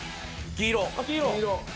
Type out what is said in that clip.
黄色。